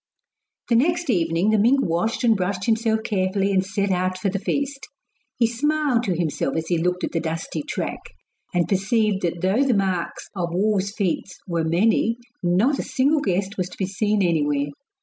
The next evening the mink washed and brushed himself carefully and set out for the feast. He smiled to himself as he looked at the dusty track, and perceived that though the marks of wolves' feet were many, not a single guest was to be seen anywhere.